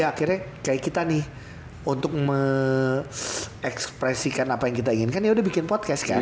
akhirnya kayak kita nih untuk meekspresikan apa yang kita inginkan yaudah bikin podcast kan